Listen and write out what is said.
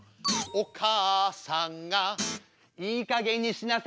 お母さんがいいかげんにしなさいよ！